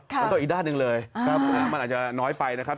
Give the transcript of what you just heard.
มันก็อีกด้านหนึ่งเลยมันอาจจะน้อยไปนะครับ